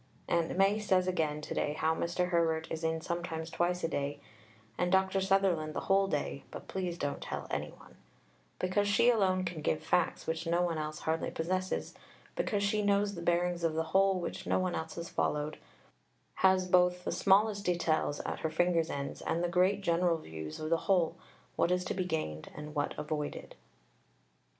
Aunt Mai says again to day how Mr. Herbert is in sometimes twice a day and Dr. Sutherland the whole day (but please don't tell any one), because she alone can give facts which no one else hardly possesses, because she knows the bearings of the whole which no one else has followed, has both the smallest details at her fingers' ends and the great general views of the whole what is to be gained and what avoided.